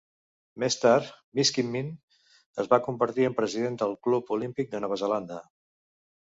Més tard, Miskimmin es va convertir en president del Club Olímpic de Nova Zelanda.